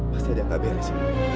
pasti dia gak beres